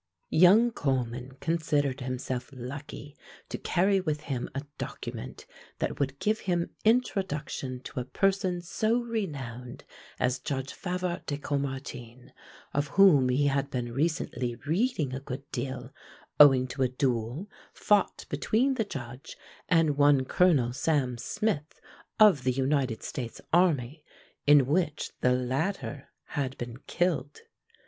Young Coleman considered himself lucky to carry with him a document that would give him introduction to a person so renowned as Judge Favart de Caumartin, of whom he had been recently reading a good deal owing to a duel fought between the Judge and one Colonel Sam Smith, of the United States army, in which the latter had been killed.